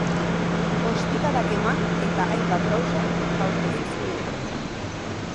Ostikadak eman, eta hainbat gauza jaurti zizkion.